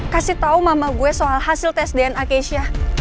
kasih tahu mama gue soal hasil tes dna keisha